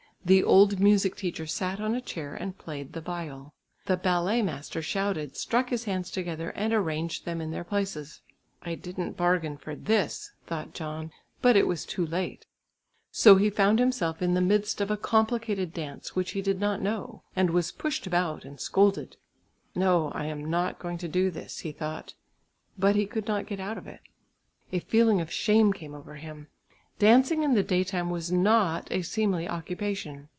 The old music teacher sat on a chair and played the viol. The ballet master shouted, struck his hands together and arranged them in their places. "I didn't bargain for this," thought John, but it was too late. So he found himself in the midst of a complicated dance which he did not know, and was pushed about and scolded. "No, I am not going to do this," he thought, but he could not get out of it. A feeling of shame came over him. Dancing in the day time was not a seemly occupation.